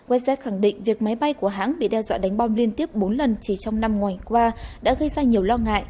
westress khẳng định việc máy bay của hãng bị đe dọa đánh bom liên tiếp bốn lần chỉ trong năm ngày qua đã gây ra nhiều lo ngại